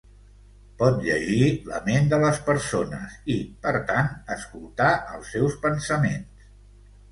Pot llegir la ment de les persones i, per tant, escoltar els seus pensaments.